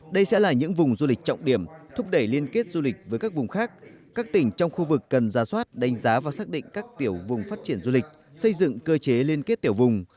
đây sẽ là những vùng du lịch trọng điểm thúc đẩy liên kết du lịch với các vùng khác các tỉnh trong khu vực cần ra soát đánh giá và xác định các tiểu vùng phát triển du lịch xây dựng cơ chế liên kết tiểu vùng